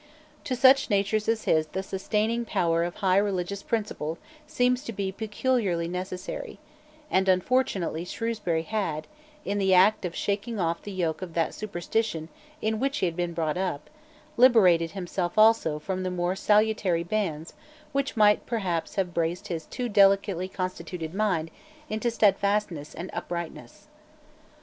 To such natures as his the sustaining power of high religious principle seems to be peculiarly necessary; and unfortunately Shrewsbury had, in the act of shaking off the yoke of that superstition in which he had been brought up, liberated himself also from more salutary bands which might perhaps have braced his too delicately constituted mind into stedfastness and uprightness.